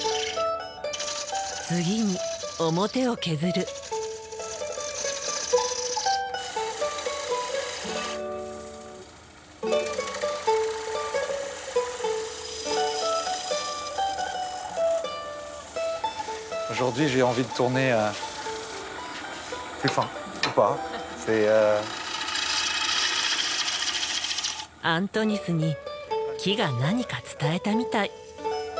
アントニスに木が何か伝えたみたい。